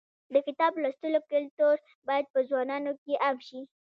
د کتاب لوستلو کلتور باید په ځوانانو کې عام شي.